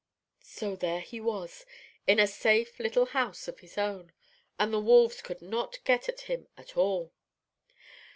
So there he was, in a safe little house of his own, and the wolves could not get at him at all."